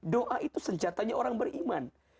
doa itu senjatanya orang beriman